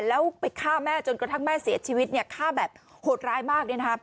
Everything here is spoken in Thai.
แล้วไปฆ่าแม่จนกระทั่งแม่เสียชีวิตฆ่าแบบโหดร้ายมาก